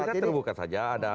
kita terbuka saja